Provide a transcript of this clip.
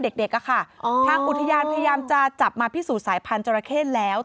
ให้เด็กเด็กอะค่ะอ๋อทางอุทยานพยายามจะจับมาพี่สู่สายพันธุ์จรเข้แล้ว